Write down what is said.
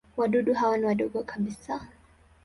Wadudu hawa ni wadogo kabisa.